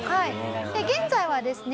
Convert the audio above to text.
現在はですね